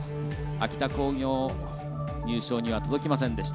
秋田工業入賞には届きませんでした。